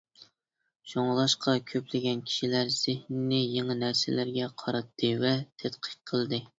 شۇڭلاشقا كۆپلىگەن كىشىلەر زېھنىنى يېڭى نەرسىلەرگە قاراتتى ۋە تەتقىق قىلدى.